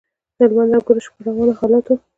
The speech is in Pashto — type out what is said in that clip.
د هلمند او ګرشک پر روانو حالاتو.